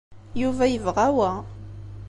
Yuba yebɣa wa.